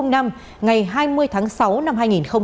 ngày hai mươi tháng sáu năm hai nghìn một mươi sáu